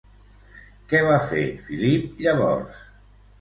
Què va fer Filip llavors?